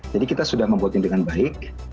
jadi kita sudah membuatnya dengan baik